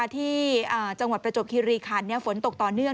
ที่จังหวัดประจวบคิริคันฝนตกต่อเนื่อง